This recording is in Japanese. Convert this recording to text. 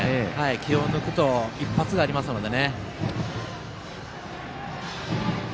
気を抜くと一発がありますので。